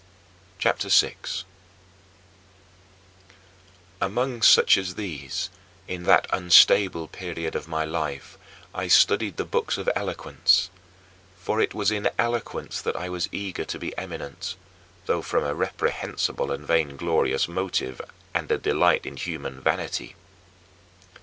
CHAPTER IV 7. Among such as these, in that unstable period of my life, I studied the books of eloquence, for it was in eloquence that I was eager to be eminent, though from a reprehensible and vainglorious motive, and a delight in human vanity.